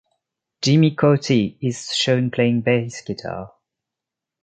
Jimmy Cauty is shown playing bass guitar.